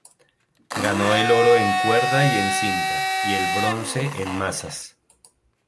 Ganó el oro en cuerda y en cinta, y el bronce en mazas.